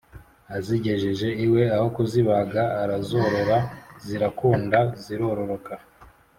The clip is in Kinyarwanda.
azigejeje iwe aho kuzibaga arazorora; zirakunda zirororoka,